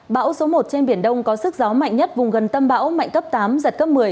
bão số một trên biển đông có sức gió mạnh nhất vùng gần tâm bão mạnh cấp tám giật cấp một mươi